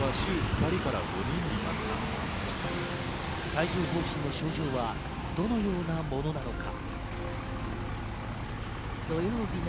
帯状疱疹の症状はどのようなものなのか。